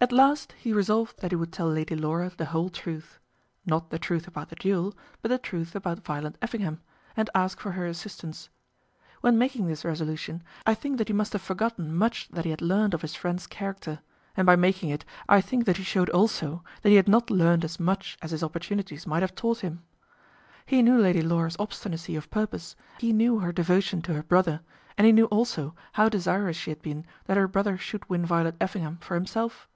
At last he resolved that he would tell Lady Laura the whole truth, not the truth about the duel, but the truth about Violet Effingham, and ask for her assistance. When making this resolution, I think that he must have forgotten much that he had learned of his friend's character; and by making it, I think that he showed also that he had not learned as much as his opportunities might have taught him. He knew Lady Laura's obstinacy of purpose, he knew her devotion to her brother, and he knew also how desirous she had been that her brother should win Violet Effingham for himself.